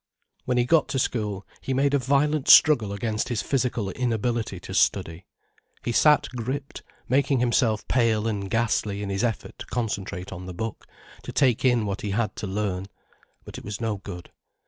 When he got to school, he made a violent struggle against his physical inability to study. He sat gripped, making himself pale and ghastly in his effort to concentrate on the book, to take in what he had to learn. But it was no good.